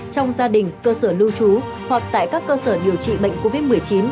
trong gia đình cơ sở lưu trú hoặc tại các cơ sở điều trị bệnh covid một mươi chín